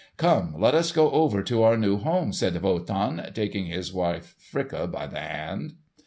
"Come! let us go over to our new home!" said Wotan, taking his wife Fricka by the hand.